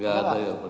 gak ada ya mulia